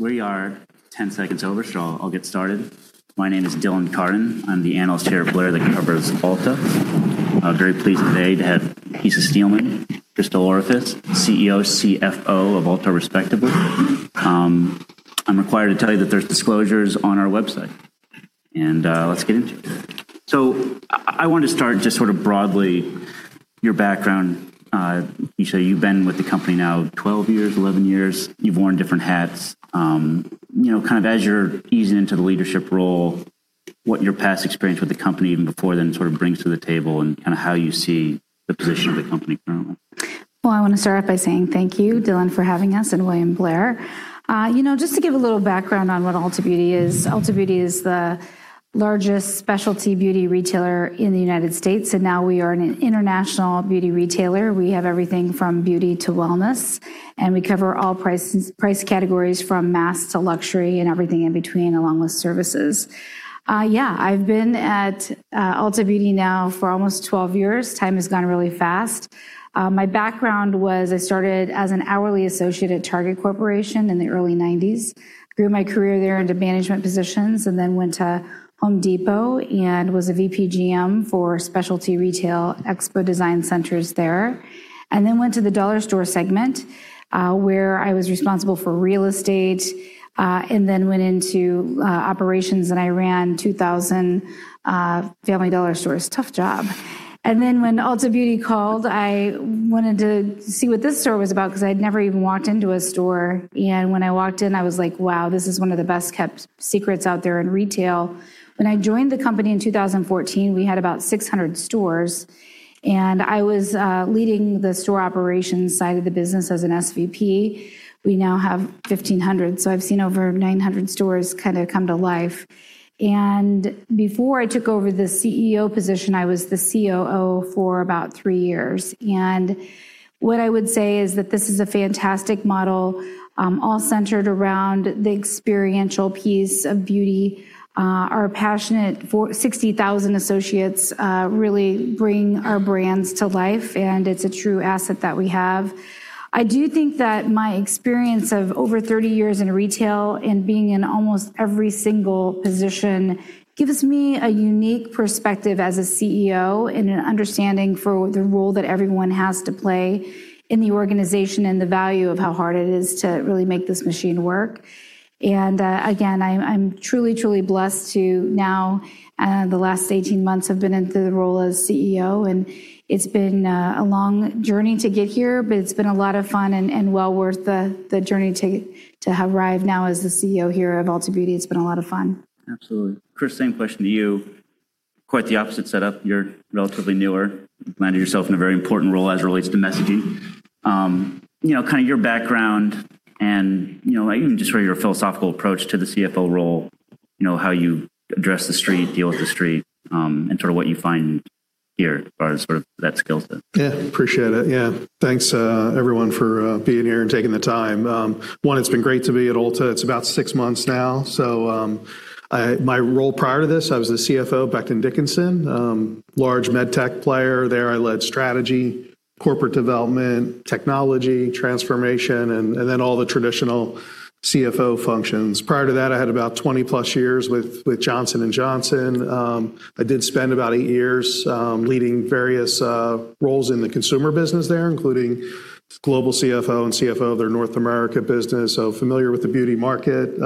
We are 10 seconds over. I'll get started. My name is Dylan Carden. I'm the analyst here at Blair that covers Ulta. I'm very pleased today to have Kecia Steelman, Chris DelOrefice, CEO, CFO of Ulta, respectively. I'm required to tell you that there's disclosures on our website. Let's get into it. I wanted to start just sort of broadly your background. Kecia, you've been with the company now 12 years, 11 years. You've worn different hats. As you're easing into the leadership role, what your past experience with the company, even before then, sort of brings to the table, and how you see the position of the company currently? Well, I want to start by saying thank you, Dylan, for having us, and William Blair. Just to give a little background on what Ulta Beauty is. Ulta Beauty is the largest specialty beauty retailer in the United States, and now we are an international beauty retailer. We have everything from beauty to wellness, and we cover all price categories from mass to luxury and everything in between, along with services. Yeah, I've been at Ulta Beauty now for almost 12 years. Time has gone really fast. My background was, I started as an hourly associate at Target Corporation in the early 1990s, grew my career there into management positions, went to Home Depot and was a VP GM for specialty retail Expo Design Centers there, went to the dollar store segment, where I was responsible for real estate, went into operations, I ran 2,000 Family Dollar stores. Tough job. When Ulta Beauty called, I wanted to see what this store was about because I'd never even walked into a store, and when I walked in, I was like, "Wow, this is one of the best-kept secrets out there in retail." When I joined the company in 2014, we had about 600 stores, I was leading the store operations side of the business as an SVP. We now have 1,500, so I've seen over 900 stores kind of come to life. Before I took over the CEO position, I was the COO for about three years, and what I would say is that this is a fantastic model all centered around the experiential piece of beauty. Our passionate 60,000 associates really bring our brands to life, and it's a true asset that we have. I do think that my experience of over 30 years in retail and being in almost every single position gives me a unique perspective as a CEO and an understanding for the role that everyone has to play in the organization and the value of how hard it is to really make this machine work. Again, I'm truly blessed to now, the last 18 months, have been in the role as CEO, and it's been a long journey to get here, but it's been a lot of fun and well worth the journey to have arrived now as the CEO here of Ulta Beauty. It's been a lot of fun. Absolutely. Chris, same question to you. Quite the opposite setup. You're relatively newer. You find yourself in a very important role as it relates to messaging. Kind of your background, and even just sort of your philosophical approach to the CFO role, how you address the street, deal with the street, and sort of what you find here as far as sort of that skill set. Appreciate it. Thanks, everyone, for being here and taking the time. It's been great to be at Ulta. It's about six months now. My role prior to this, I was the CFO of Becton Dickinson, large medtech player. There, I led strategy, corporate development, technology, transformation, and then all the traditional CFO functions. Prior to that, I had about 20+ years with Johnson & Johnson. I did spend about eight years leading various roles in the consumer business there, including global CFO and CFO of their North America business. Familiar with the beauty market.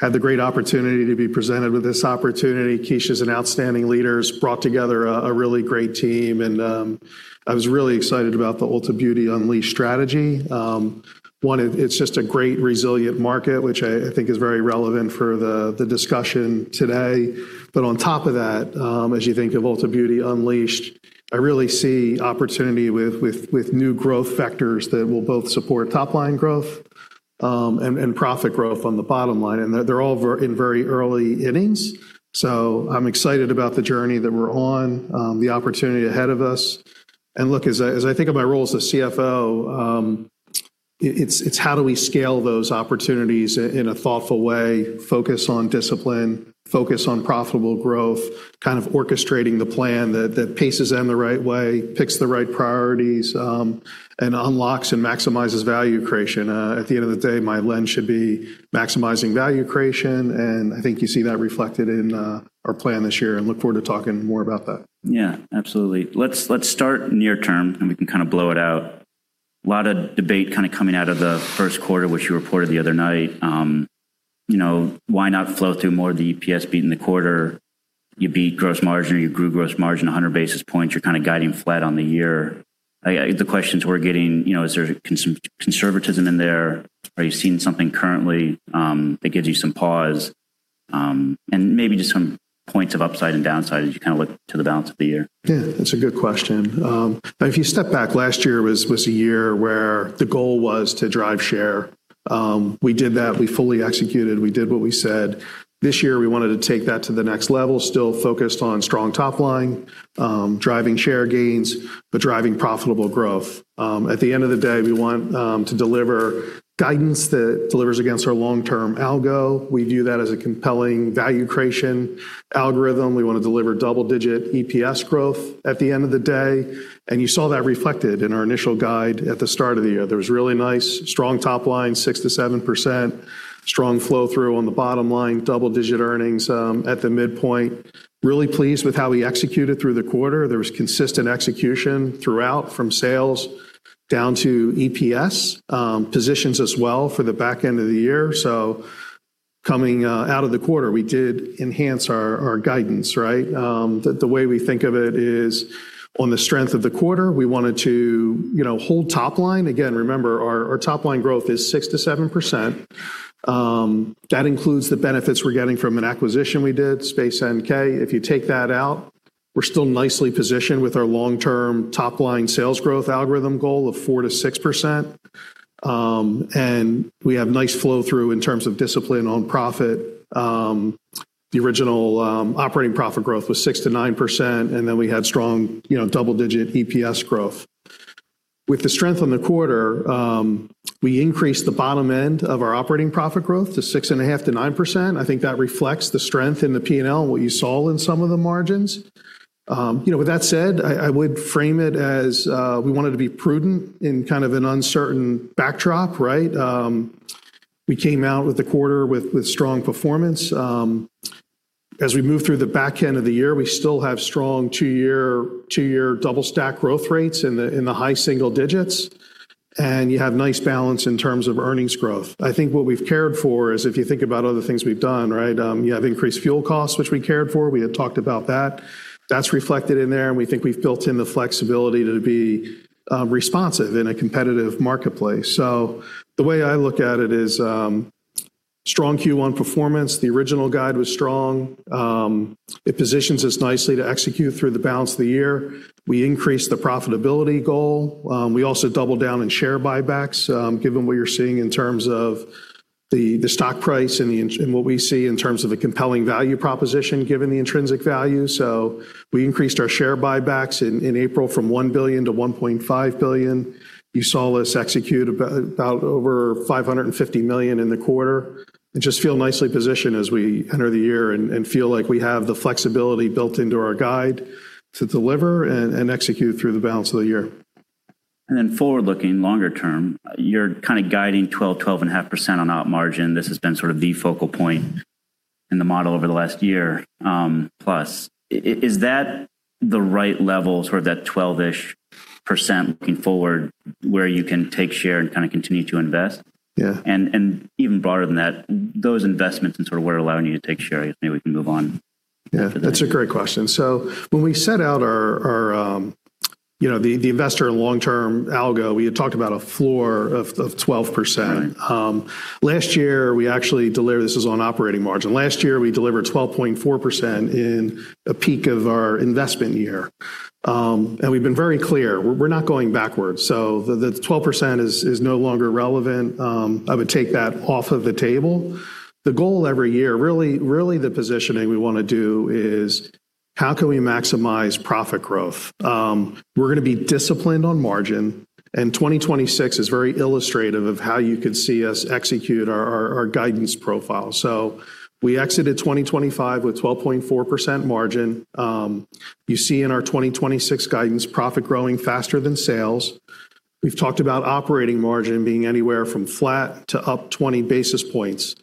Had the great opportunity to be presented with this opportunity. Kecia's an outstanding leader, has brought together a really great team, and I was really excited about the Ulta Beauty Unleashed strategy. It's just a great resilient market, which I think is very relevant for the discussion today. On top of that, as you think of Ulta Beauty Unleashed, I really see opportunity with new growth vectors that will both support top-line growth and profit growth on the bottom line. They're all in very early innings. I'm excited about the journey that we're on, the opportunity ahead of us. Look, as I think of my role as the CFO, it's how do we scale those opportunities in a thoughtful way, focus on discipline, focus on profitable growth, kind of orchestrating the plan that paces in the right way, picks the right priorities, and unlocks and maximizes value creation. At the end of the day, my lens should be maximizing value creation. I think you see that reflected in our plan this year and look forward to talking more about that. Yeah. Absolutely. Let's start near term. We can kind of blow it out. A lot of debate kind of coming out of the first quarter, which you reported the other night. Why not flow through more of the EPS beat in the quarter? You beat gross margin or you grew gross margin 100 basis points. You're kind of guiding flat on the year. The questions we're getting, is there conservatism in there? Are you seeing something currently that gives you some pause? Maybe just some points of upside and downside as you kind of look to the balance of the year. Yeah. That's a good question. If you step back, last year was a year where the goal was to drive share. We did that. We fully executed. We did what we said. This year, we wanted to take that to the next level, still focused on strong top line, driving share gains, but driving profitable growth. At the end of the day, we want to deliver guidance that delivers against our long-term algo. We view that as a compelling value creation algorithm. We want to deliver double-digit EPS growth at the end of the day, and you saw that reflected in our initial guide at the start of the year. There was really nice strong top line, 6% to 7%, strong flow-through on the bottom line, double-digit earnings at the midpoint. Really pleased with how we executed through the quarter. There was consistent execution throughout, from sales down to EPS. Positions us well for the back end of the year. Coming out of the quarter, we did enhance our guidance. The way we think of it is on the strength of the quarter, we wanted to hold top line. Again, remember, our top-line growth is 6%-7%. That includes the benefits we're getting from an acquisition we did, Space NK. If you take that out, we're still nicely positioned with our long-term top-line sales growth algorithm goal of 4%-6%, and we have nice flow-through in terms of discipline on profit. The original operating profit growth was 6%-9%, and then we had strong double-digit EPS growth. With the strength on the quarter, we increased the bottom end of our operating profit growth to 6.5%-9%. I think that reflects the strength in the P&L, what you saw in some of the margins. With that said, I would frame it as we wanted to be prudent in kind of an uncertain backdrop. We came out with the quarter with strong performance. As we move through the back end of the year, we still have strong two-year double-stack growth rates in the high single digits, and you have nice balance in terms of earnings growth. I think what we've cared for is if you think about other things we've done, you have increased fuel costs, which we cared for. We had talked about that. That's reflected in there, and we think we've built in the flexibility to be responsive in a competitive marketplace. The way I look at it is strong Q1 performance. The original guide was strong. It positions us nicely to execute through the balance of the year. We increased the profitability goal. We also doubled down in share buybacks, given what you're seeing in terms of the stock price and what we see in terms of a compelling value proposition, given the intrinsic value. We increased our share buybacks in April from $1 billion to $1.5 billion. You saw us execute about over $550 million in the quarter, and just feel nicely positioned as we enter the year and feel like we have the flexibility built into our guide to deliver and execute through the balance of the year. Then forward-looking, longer term, you're kind of guiding 12%, 12.5% on op margin. This has been sort of the focal point in the model over the last year plus. Is that the right level, sort of that 12%-ish looking forward, where you can take share and kind of continue to invest? Yeah. Even broader than that, those investments in sort of what are allowing you to take share, I guess maybe we can move on. Yeah, that's a great question. When we set out the investor in long-term algo, we had talked about a floor of 12%. Last year, we actually delivered. This was on operating margin. Last year, we delivered 12.4% in a peak of our investment year. We've been very clear, we're not going backwards. The 12% is no longer relevant. I would take that off of the table. The goal every year, really the positioning we want to do is how can we maximize profit growth? We're going to be disciplined on margin. 2026 is very illustrative of how you could see us execute our guidance profile. We exited 2025 with 12.4% margin. You see in our 2026 guidance, profit growing faster than sales. We've talked about operating margin being anywhere from flat to up 20 basis points.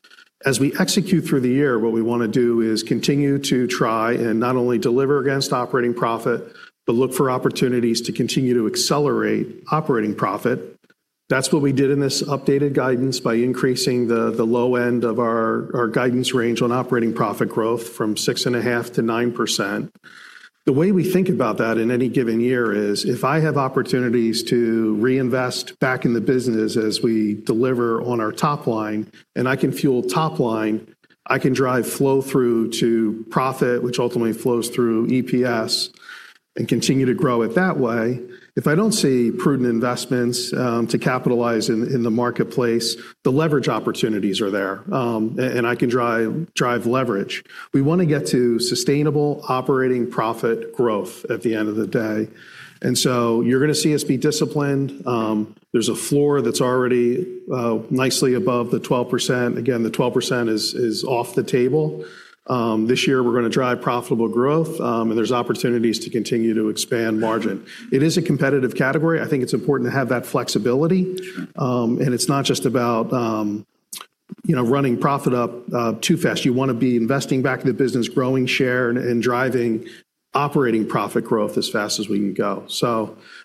As we execute through the year, what we want to do is continue to try and not only deliver against operating profit, but look for opportunities to continue to accelerate operating profit. That's what we did in this updated guidance by increasing the low end of our guidance range on operating profit growth from 6.5% to 9%. The way we think about that in any given year is if I have opportunities to reinvest back in the business as we deliver on our top line, and I can fuel top line, I can drive flow through to profit, which ultimately flows through EPS, and continue to grow it that way. If I don't see prudent investments to capitalize in the marketplace, the leverage opportunities are there, and I can drive leverage. We want to get to sustainable operating profit growth at the end of the day. You're going to see us be disciplined. There's a floor that's already nicely above the 12%. Again, the 12% is off the table. This year, we're going to drive profitable growth, and there's opportunities to continue to expand margin. It is a competitive category. I think it's important to have that flexibility. Sure. It's not just about running profit up too fast. You want to be investing back in the business, growing share, and driving operating profit growth as fast as we can go.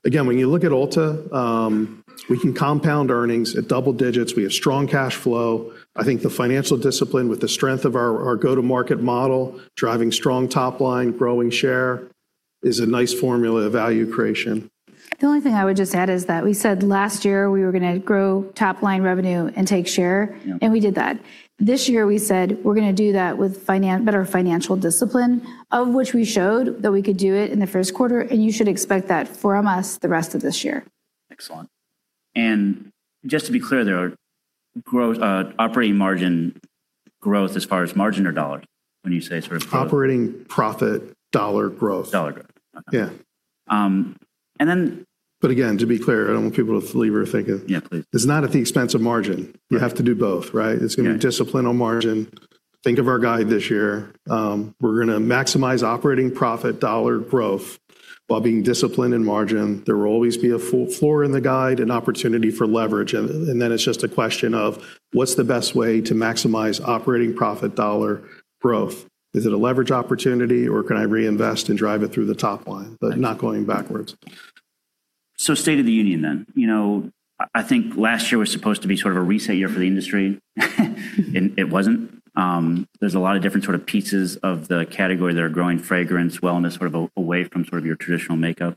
Again, when you look at Ulta, we can compound earnings at double digits. We have strong cash flow. I think the financial discipline with the strength of our go-to-market model, driving strong top line, growing share, is a nice formula of value creation. The only thing I would just add is that we said last year we were going to grow top-line revenue and take share. We did that. This year, we said we're going to do that with better financial discipline, of which we showed that we could do it in the first quarter. You should expect that from us the rest of this year. Excellent. Just to be clear there, operating margin growth as far as margin or dollar when you say sort of-- Operating profit dollar growth. Dollar growth. Yeah. Again, to be clear, I don't want people to leave here thinking. Yeah, please. it's not at the expense of margin. You have to do both, right? It's going to be discipline on margin. Think of our guide this year. We're going to maximize operating profit dollar growth while being disciplined in margin. There will always be a floor in the guide, an opportunity for leverage, and then it's just a question of what's the best way to maximize operating profit dollar growth. Is it a leverage opportunity, or can I reinvest and drive it through the top line? Not going backwards. State of the Union then. I think last year was supposed to be sort of a reset year for the industry. It wasn't. There's a lot of different sort of pieces of the category that are growing, fragrance, wellness, sort of away from your traditional makeup.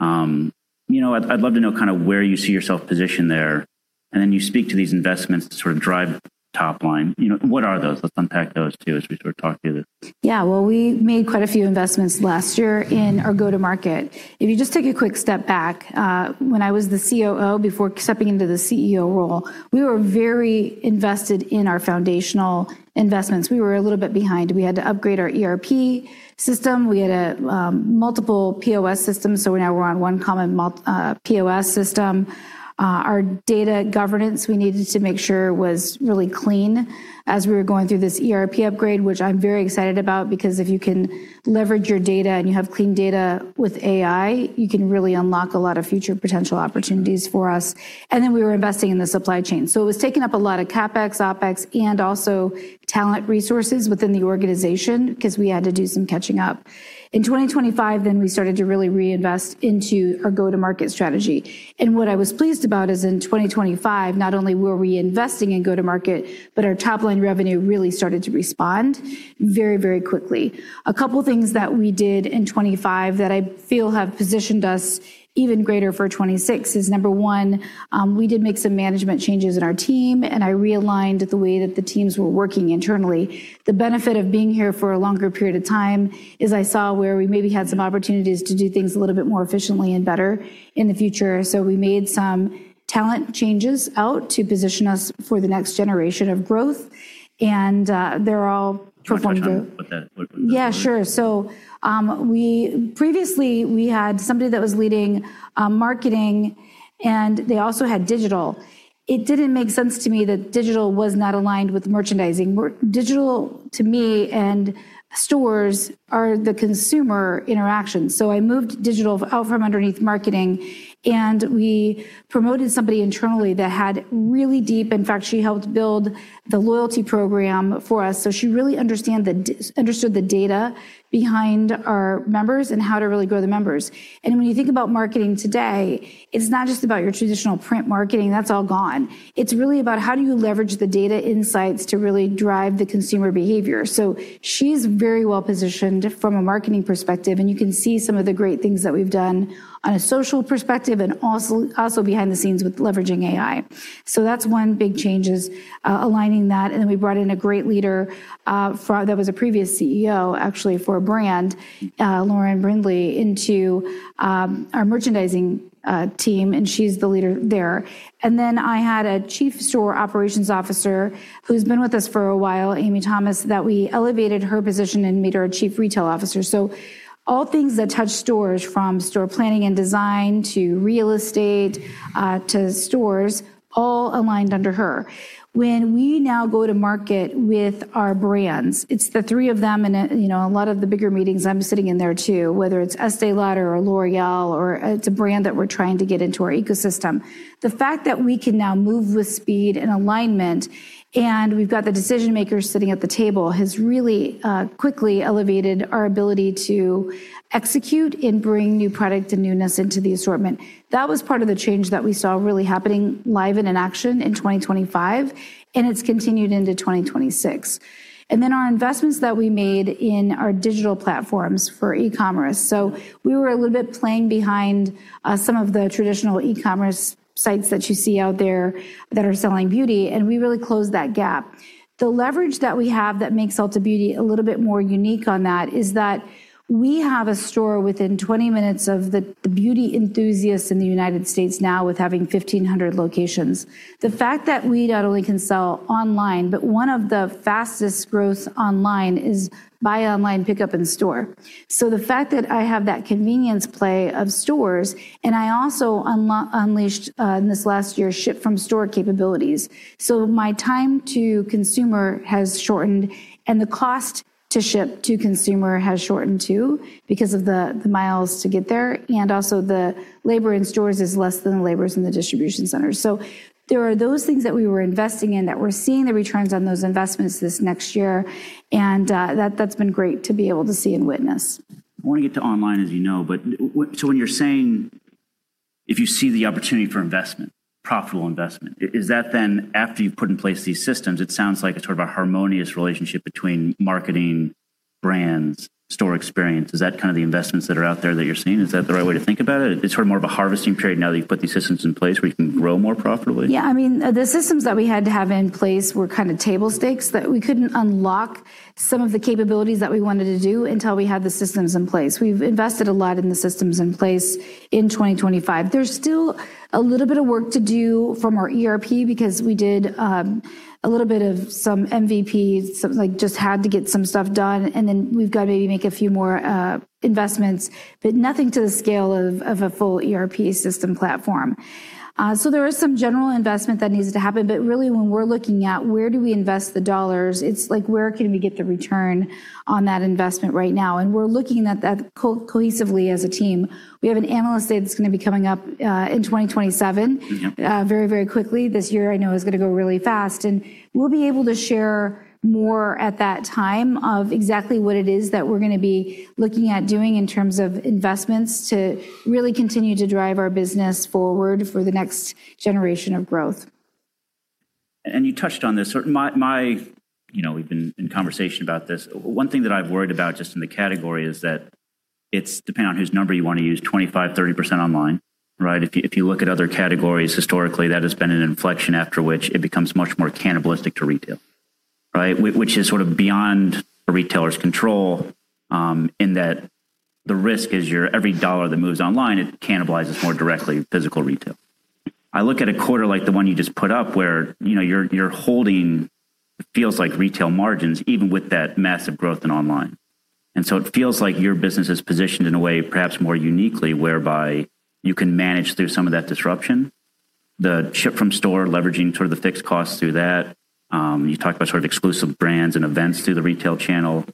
I'd love to know kind of where you see yourself positioned there. You speak to these investments to sort of drive top line. What are those? Let's unpack those, too, as we sort of talk through this. Yeah. Well, we made quite a few investments last year in our go-to-market. If you just take a quick step back, when I was the COO before stepping into the CEO role, we were very invested in our foundational investments. We were a little bit behind. We had to upgrade our ERP system. We had multiple POS systems. We're now on one common POS system. Our data governance, we needed to make sure was really clean as we were going through this ERP upgrade, which I'm very excited about because if you can leverage your data and you have clean data with AI, you can really unlock a lot of future potential opportunities for us. We were investing in the supply chain. It was taking up a lot of CapEx, OpEx, and also talent resources within the organization because we had to do some catching up. In 2025, we started to really reinvest into our go-to-market strategy. What I was pleased about is in 2025, not only were we investing in go-to-market, but our top-line revenue really started to respond very quickly. A couple things that we did in 2025 that I feel have positioned us even greater for 2026 is, number one, we did make some management changes in our team, and I realigned the way that the teams were working internally. The benefit of being here for a longer period of time is I saw where we maybe had some opportunities to do things a little bit more efficiently and better in the future. We made some talent changes out to position us for the next generation of growth, and they're all performing. Why don't you touch on what those were? Yeah, sure. Previously, we had somebody that was leading marketing, and they also had digital. It didn't make sense to me that digital was not aligned with merchandising. Digital, to me, and stores are the consumer interactions. I moved digital out from underneath marketing, and we promoted somebody internally that had In fact, she helped build the loyalty program for us, so she really understood the data behind our members and how to really grow the members. When you think about marketing today, it's not just about your traditional print marketing. That's all gone. It's really about how do you leverage the data insights to really drive the consumer behavior. She's very well-positioned from a marketing perspective, and you can see some of the great things that we've done on a social perspective and also behind the scenes with leveraging AI. That's one big change is aligning that, then we brought in a great leader that was a previous CEO, actually, for a brand, Lauren Brindley, into our merchandising team, and she's the leader there. I had a Chief Store Operations Officer who's been with us for a while, Amiee Thomas, that we elevated her position and made her our Chief Retail Officer. All things that touch stores, from store planning and design to real estate, to stores, all aligned under her. When we now go to market with our brands, it's the three of them, and a lot of the bigger meetings I'm sitting in there, too, whether it's Estée Lauder or L'Oréal, or it's a brand that we're trying to get into our ecosystem. The fact that we can now move with speed and alignment, and we've got the decision-makers sitting at the table, has really quickly elevated our ability to execute and bring new product and newness into the assortment. That was part of the change that we saw really happening live and in action in 2025, and it's continued into 2026. Our investments that we made in our digital platforms for e-commerce. We were a little bit playing behind some of the traditional e-commerce sites that you see out there that are selling beauty, and we really closed that gap. The leverage that we have that makes Ulta Beauty a little bit more unique on that is that we have a store within 20 minutes of the beauty enthusiasts in the United States now with having 1,500 locations. The fact that we not only can sell online, but one of the fastest growths online is buy online, pick up in store. The fact that I have that convenience play of stores, and I also unleashed, in this last year, ship-from-store capabilities. My time to consumer has shortened, and the cost to ship to consumer has shortened, too, because of the miles to get there, and also the labor in stores is less than the labor is in the distribution center. There are those things that we were investing in that we're seeing the returns on those investments this next year, and that's been great to be able to see and witness. I want to get to online, as you know. When you're saying if you see the opportunity for investment, profitable investment, is that then after you've put in place these systems, it sounds like it's sort of a harmonious relationship between marketing, brands, store experience. Is that kind of the investments that are out there that you're seeing? Is that the right way to think about it? It's sort of more of a harvesting period now that you've put these systems in place where you can grow more profitably. Yeah. The systems that we had to have in place were kind of table stakes, that we couldn't unlock some of the capabilities that we wanted to do until we had the systems in place. We've invested a lot in the systems in place in 2025. There's still a little bit of work to do from our ERP because we did a little bit of some MVPs, just had to get some stuff done, and then we've got to maybe make a few more investments, but nothing to the scale of a full ERP system platform. There is some general investment that needs to happen, but really when we're looking at where do we invest the dollars, it's like, where can we get the return on that investment right now? We're looking at that cohesively as a team. We have an Analyst Day that's going to be coming up in 2027. Very quickly. This year I know is going to go really fast. We'll be able to share more at that time of exactly what it is that we're going to be looking at doing in terms of investments to really continue to drive our business forward for the next generation of growth. You touched on this. We've been in conversation about this. One thing that I've worried about just in the category is that it's, depending on whose number you want to use, 25%, 30% online. If you look at other categories historically, that has been an inflection after which it becomes much more cannibalistic to retail. Which is sort of beyond a retailer's control, in that the risk is your every dollar that moves online, it cannibalizes more directly physical retail. I look at a quarter like the one you just put up where you're holding, feels like retail margins even with that massive growth in online. So it feels like your business is positioned in a way perhaps more uniquely whereby you can manage through some of that disruption. The ship-from-store, leveraging sort of the fixed costs through that. You talked about sort of exclusive brands and events through the retail channel.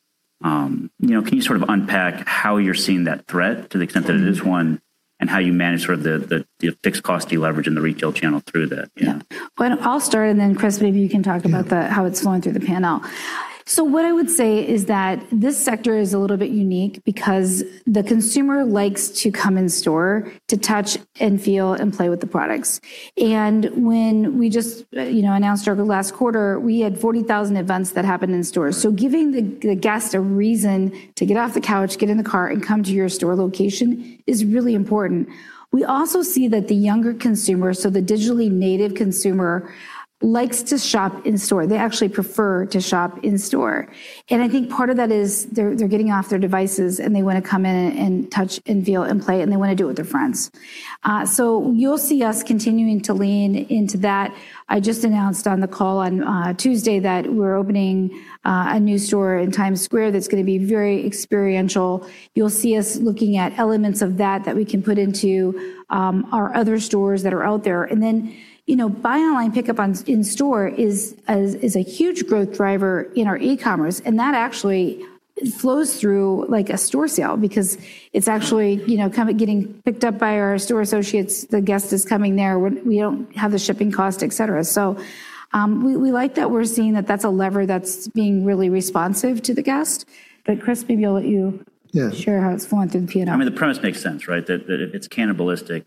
Can you sort of unpack how you're seeing that threat to the extent that it is one, and how you manage sort of the fixed cost deleverage in the retail channel through that? Yeah. Well, I'll start. Chris, maybe you can talk about how it's flowing through the P&L. What I would say is that this sector is a little bit unique because the consumer likes to come in store to touch and feel and play with the products. When we just announced our last quarter, we had 40,000 events that happened in stores. Giving the guest a reason to get off the couch, get in the car, and come to your store location is really important. We also see that the younger consumer, so the digitally native consumer, likes to shop in store. They actually prefer to shop in store. I think part of that is they're getting off their devices, and they want to come in and touch and feel and play, and they want to do it with their friends. You'll see us continuing to lean into that. I just announced on the call on Tuesday that we're opening a new store in Times Square that's going to be very experiential. You'll see us looking at elements of that that we can put into our other stores that are out there. Then, buy online, pickup in store is a huge growth driver in our e-commerce, and that actually flows through a store sale because it's actually getting picked up by our store associates. The guest is coming there. We don't have the shipping cost, et cetera. We like that we're seeing that that's a lever that's being really responsive to the guest. Chris, maybe I'll let you share how it's flowing through the P&L. The premise makes sense, right? That it's cannibalistic.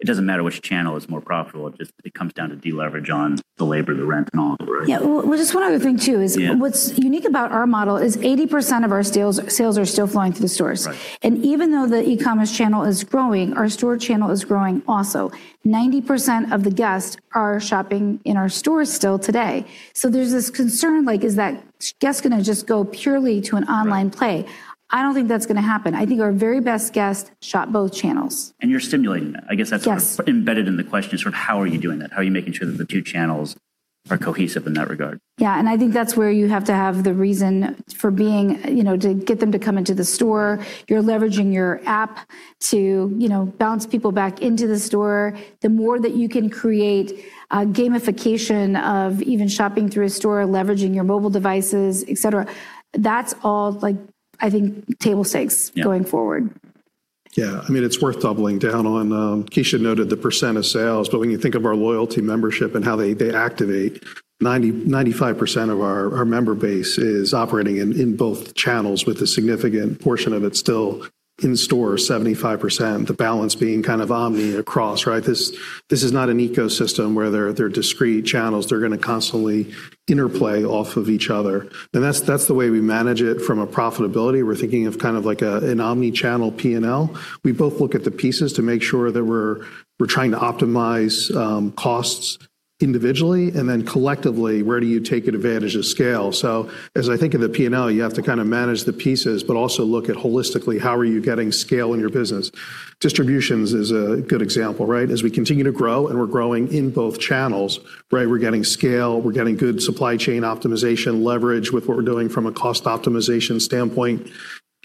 It doesn't matter which channel is more profitable, it comes down to deleverage on the labor, the rent, and all the rest. Well, just one other thing too. What's unique about our model is 80% of our sales are still flowing through the stores. Even though the e-commerce channel is growing, our store channel is growing also. 90% of the guests are shopping in our stores still today. There's this concern like, is that guest going to just go purely to an online play? I don't think that's going to happen. I think our very best guests shop both channels. You're stimulating that. Yes. Sort of embedded in the question, sort of how are you doing that? How are you making sure that the two channels are cohesive in that regard? Yeah, I think that's where you have to have the reason to get them to come into the store. You're leveraging your app to bounce people back into the store. The more that you can create gamification of even shopping through a store, leveraging your mobile devices, et cetera, that's all I think table stakes going forward. Yeah. It's worth doubling down on, Kecia noted the percent of sales, but when you think of our loyalty membership and how they activate, 95% of our member base is operating in both channels with a significant portion of it still in store, 75%, the balance being kind of omni across. This is not an ecosystem where they're discrete channels. They're going to constantly interplay off of each other. That's the way we manage it from a profitability. We're thinking of kind of like an omnichannel P&L. We both look at the pieces to make sure that we're trying to optimize costs individually, and then collectively, where do you take advantage of scale? As I think of the P&L, you have to kind of manage the pieces, but also look at holistically, how are you getting scale in your business? Distributions is a good example. As we continue to grow, and we're growing in both channels. We're getting scale, we're getting good supply chain optimization leverage with what we're doing from a cost optimization standpoint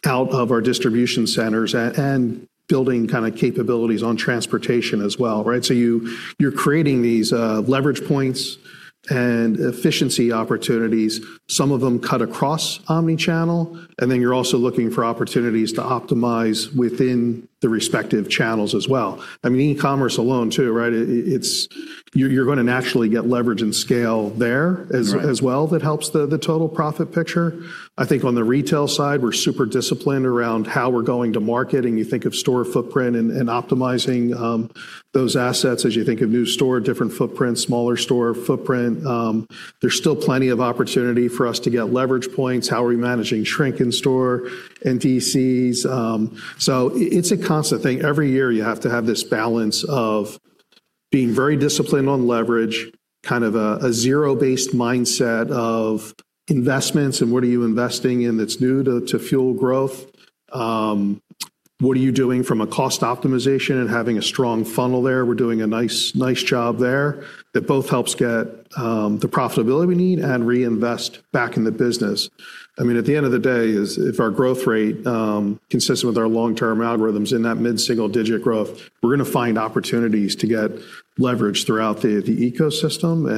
out of our distribution centers, and building kind of capabilities on transportation as well. You're creating these leverage points and efficiency opportunities. Some of them cut across omnichannel, and then you're also looking for opportunities to optimize within the respective channels as well. E-commerce alone too, you're going to naturally get leverage and scale there as well that helps the total profit picture. I think on the retail side, we're super disciplined around how we're going to market, and you think of store footprint and optimizing those assets as you think of new store, different footprint, smaller store footprint. There's still plenty of opportunity for us to get leverage points. How are we managing shrink in store, NTCs? It's a constant thing. Every year, you have to have this balance of being very disciplined on leverage, kind of a zero-based mindset of investments and what are you investing in that's new to fuel growth? What are you doing from a cost optimization and having a strong funnel there? We're doing a nice job there that both helps get the profitability we need and reinvest back in the business. At the end of the day, if our growth rate, consistent with our long-term algorithms in that mid-single-digit growth, we're going to find opportunities to get leverage throughout the ecosystem.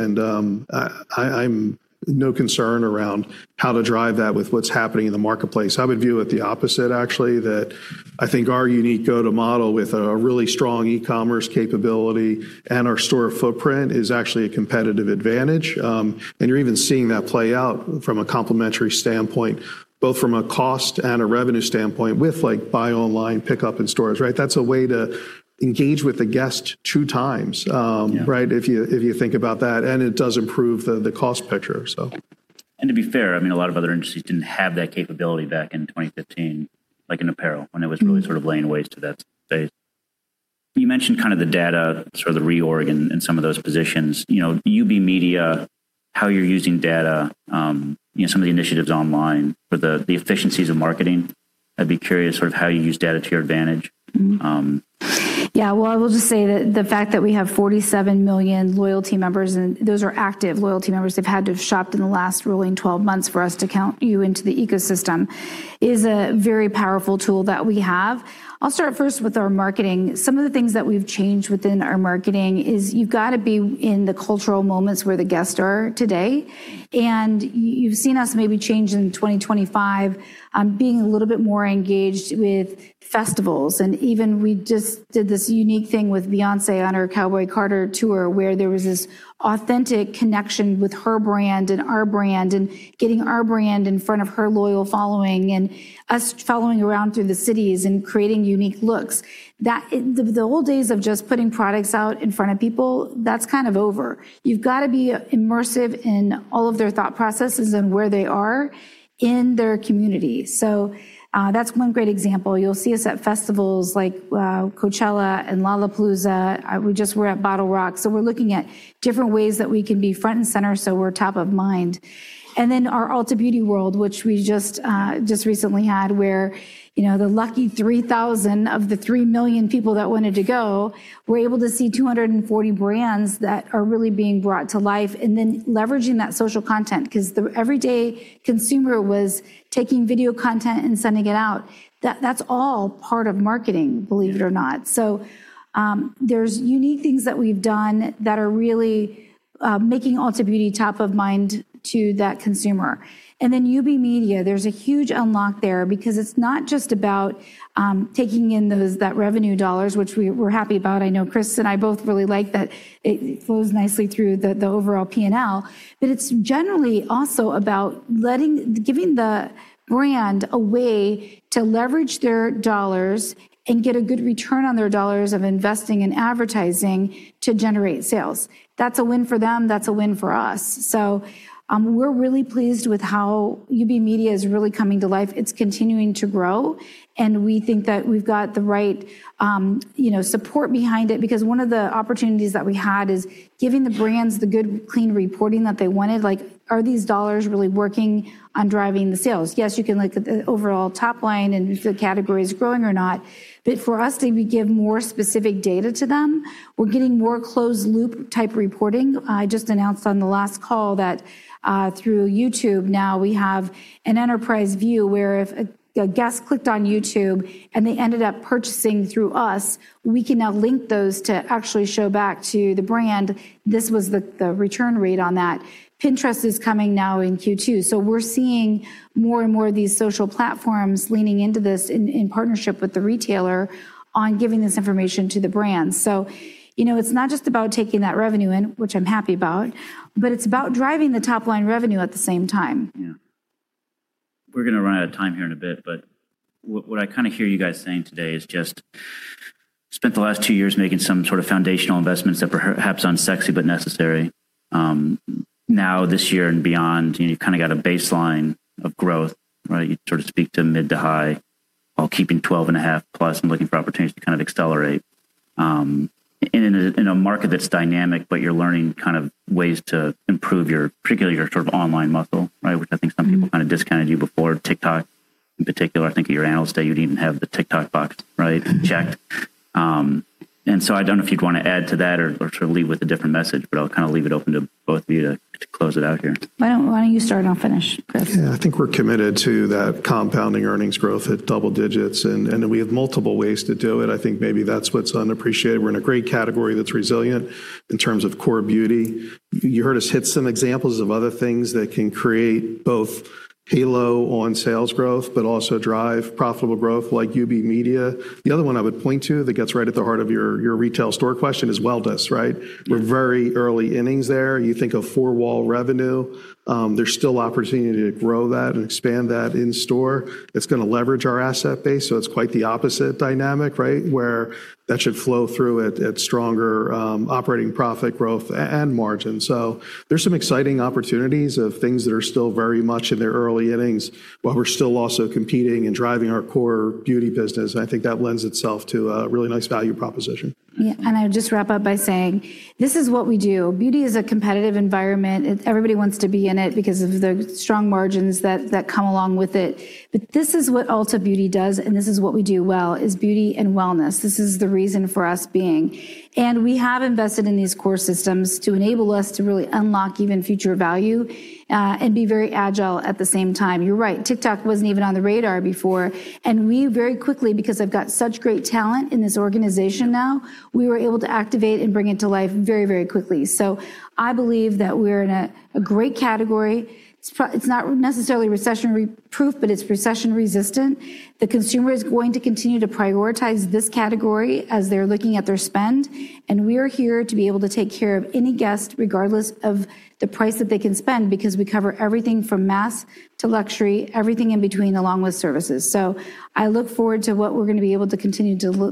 I'm no concern around how to drive that with what's happening in the marketplace. I would view it the opposite actually, that I think our unique go-to model with a really strong e-commerce capability and our store footprint is actually a competitive advantage. You're even seeing that play out from a complementary standpoint, both from a cost and a revenue standpoint with buy online, pickup in stores, right? That's a way to engage with the guest 2x. If you think about that, and it does improve the cost picture. To be fair, a lot of other industries didn't have that capability back in 2015, like in apparel when it was really sort of laying waste to that space. You mentioned kind of the data, sort of the reorg in some of those positions. UB Media, how you're using data, some of the initiatives online for the efficiencies of marketing, I'd be curious sort of how you use data to your advantage. Yeah. Well, I will just say that the fact that we have 47 million loyalty members, and those are active loyalty members, they've had to have shopped in the last rolling 12 months for us to count you into the ecosystem, is a very powerful tool that we have. I'll start first with our marketing. Some of the things that we've changed within our marketing is you've got to be in the cultural moments where the guests are today, and you've seen us maybe change in 2025, being a little bit more engaged with festivals. Even we just did this unique thing with Beyoncé on her Cowboy Carter Tour, where there was this authentic connection with her brand and our brand, and getting our brand in front of her loyal following, and us following around through the cities and creating unique looks. The old days of just putting products out in front of people, that's kind of over. You've got to be immersive in all of their thought processes and where they are in their community. That's one great example. You'll see us at festivals like Coachella and Lollapalooza. We just were at BottleRock. We're looking at different ways that we can be front and center, so we're top of mind. Our Ulta Beauty World, which we just recently had, where the lucky 3,000 of the 3 million people that wanted to go were able to see 240 brands that are really being brought to life, leveraging that social content because the everyday consumer was taking video content and sending it out. That's all part of marketing, believe it or not. There's unique things that we've done that are really making Ulta Beauty top of mind to that consumer. UB Media, there's a huge unlock there because it's not just about taking in that revenue dollars, which we're happy about. I know Chris and I both really like that it flows nicely through the overall P&L, but it's generally also about giving the brand a way to leverage their dollars and get a good return on their dollars of investing in advertising to generate sales. That's a win for them, that's a win for us. We're really pleased with how UB Media is really coming to life. It's continuing to grow, we think that we've got the right support behind it because one of the opportunities that we had is giving the brands the good, clean reporting that they wanted. Are these dollars really working on driving the sales? Yes, you can look at the overall top line and if the category is growing or not, but for us, did we give more specific data to them? We're getting more closed loop type reporting. I just announced on the last call that through YouTube now, we have an enterprise view where if a guest clicked on YouTube and they ended up purchasing through us, we can now link those to actually show back to the brand. This was the return rate on that. Pinterest is coming now in Q2. We're seeing more and more of these social platforms leaning into this in partnership with the retailer on giving this information to the brands. It's not just about taking that revenue in, which I'm happy about, but it's about driving the top-line revenue at the same time. Yeah. We're going to run out of time here in a bit, but what I kind of hear you guys saying today is just spent the last two years making some sort of foundational investments that were perhaps unsexy but necessary. This year and beyond, you kind of got a baseline of growth, right? You sort of speak to mid to high while keeping 12.5%+ and looking for opportunities to kind of accelerate, in a market that's dynamic, but you're learning kind of ways to improve your, particularly your sort of online muscle, right? I think some people kind of discounted you before TikTok in particular. I think at your Analyst Day, you didn't have the TikTok box checked. I don't know if you'd want to add to that or sort of leave with a different message, but I'll kind of leave it open to both of you to close it out here. Why don't you start and I'll finish, Chris? Yeah. I think we're committed to that compounding earnings growth at double digits, and then we have multiple ways to do it. I think maybe that's what's unappreciated. We're in a great category that's resilient in terms of core beauty. You heard us hit some examples of other things that can create both halo on sales growth, but also drive profitable growth like UB Media. The other one I would point to that gets right at the heart of your retail store question is wall des, right? We're very early innings there. You think of four-wall revenue, there's still opportunity to grow that and expand that in store. It's going to leverage our asset base. It's quite the opposite dynamic, right, where that should flow through at stronger operating profit growth and margin. There's some exciting opportunities of things that are still very much in their early innings, while we're still also competing and driving our core beauty business, and I think that lends itself to a really nice value proposition. Yeah. I would just wrap up by saying, this is what we do. Beauty is a competitive environment. Everybody wants to be in it because of the strong margins that come along with it. This is what Ulta Beauty does, and this is what we do well, is beauty and wellness. This is the reason for us being. We have invested in these core systems to enable us to really unlock even future value, and be very agile at the same time. You're right, TikTok wasn't even on the radar before, and we very quickly, because I've got such great talent in this organization now, we were able to activate and bring it to life very quickly. I believe that we're in a great category. It's not necessarily recession-proof, but it's recession-resistant. The consumer is going to continue to prioritize this category as they're looking at their spend, and we are here to be able to take care of any guest, regardless of the price that they can spend, because we cover everything from mass to luxury, everything in between, along with services. I look forward to what we're going to be able to continue to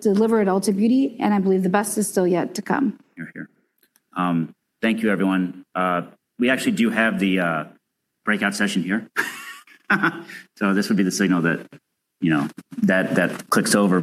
deliver at Ulta Beauty, and I believe the best is still yet to come. Thank you everyone. We actually do have the breakout session here. This would be the signal that clicks over.